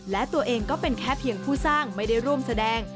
และตัวเองก็เป็นแค่เพียงผู้สร้างไม่ได้ร่วมแสดง